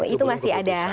itu masih ada